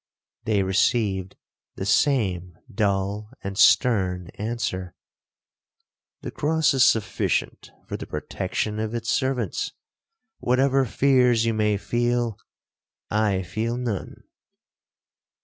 They received the same dull and stern answer, 'The cross is sufficient for the protection of its servants—whatever fears you may feel, I feel none.'